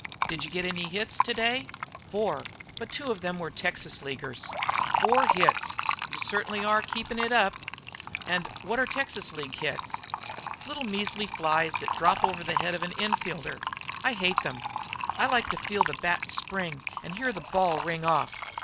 "Did you get any hits today?" "Four, but two of them were Texas leaguers." "Four hits! You certainly are keeping it up. And what are Texas league hits?" "Little measly flies that drop just over the head of an in fielder. I hate them. I like to feel the bat spring and hear the ball ring off.